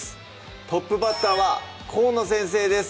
トップバッターは河野先生です